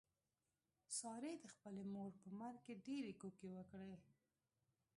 سارې د خپلې مور په مرګ ډېرې کوکې وکړلې.